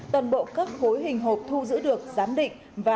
toàn bộ các khối hình hộp thu giữ được giám định